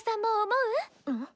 うん？